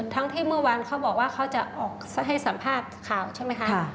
ทั้งที่เมื่อวานเขาบอกว่าเขาจะออกให้สัมภาษณ์ข่าวใช่ไหมคะ